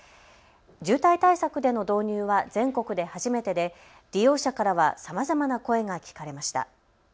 渋滞対策での導入は全国で初めてで利用者からはさまざまな声が聞かれました。